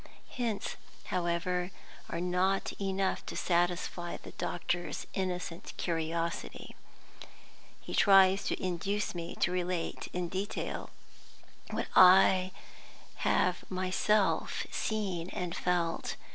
Hints, however, are not enough to satisfy the doctor's innocent curiosity; he tries to induce me to relate in detail what I have myself seen and felt.